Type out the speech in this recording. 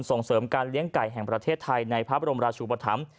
ส่งเสริมการเลี้ยงไก่แห่งประเทศไทยในพระบรมราชุปธรรม